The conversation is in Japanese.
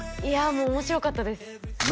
もう面白かったですなあ